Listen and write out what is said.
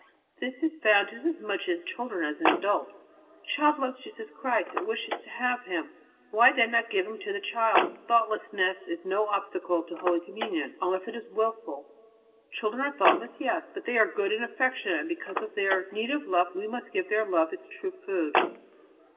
This is found just as much in children as in adults. The child loves Jesus Christ; it wishes to have Him; why, then, not give Him to the child? Thoughtlessness is no obstacle to holy communion, unless it is wilful. Children are thoughtless yes, but they are good and affectionate; and because of their need of love, we must give their love its true food."